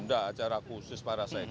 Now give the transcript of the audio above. ada acara khusus para sekjen